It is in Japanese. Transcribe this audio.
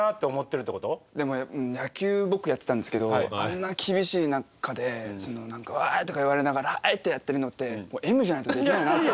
でも野球僕やってたんですけどあんな厳しい中で何か「おい！」とか言われながら「はい！」ってやってるのってもうＭじゃないとできないなと。